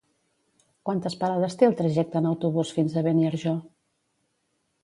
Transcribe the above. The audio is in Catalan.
Quantes parades té el trajecte en autobús fins a Beniarjó?